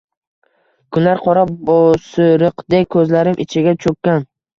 Kunlar qora bosiriqdek ko’zlarim ichiga cho’kkan